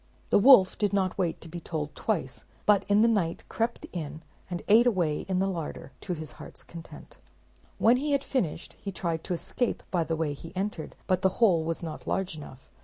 The wolf did not wait to be told twice, but in the night crept in, and ate away in the larder, to his heart's content. When he had finished, he tried to escape by the way he entered, but the hole was not large enough.